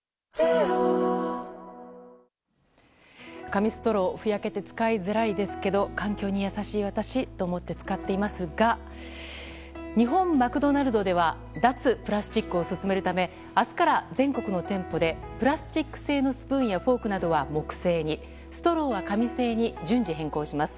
紙ストローふやけて使いづらいですけれども環境に優しい私と思って使っていますが日本マクドナルドでは脱プラスチックを進めるため明日から全国の店舗でプラスチック製のスプーンやフォークなどは木製にストローは紙製に順次変更します。